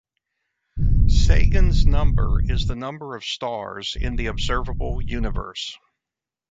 Sagan's number is the number of stars in the observable universe.